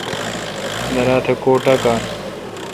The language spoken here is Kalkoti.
درا تہ کو ٹاکان۔